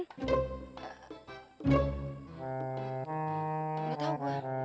gak tau bu